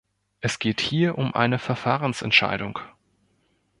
Es geht hier um eine Verfahrensentscheidung.